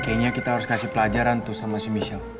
kayaknya kita harus kasih pelajaran tuh sama si michelle